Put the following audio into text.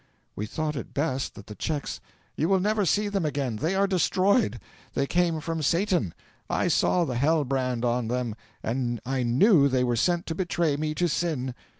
"We thought it best that the cheques " "You will never see them again they are destroyed. They came from Satan. I saw the hell brand on them, and I knew they were sent to betray me to sin."